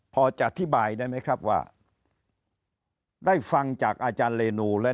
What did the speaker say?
พอจะอธิบายได้ไหมครับว่าได้ฟังจากอาจารย์เรนูและ